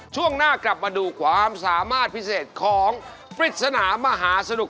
ช่วงหน้ากลับมาดูความสามารถพิเศษของปริศนามหาสนุก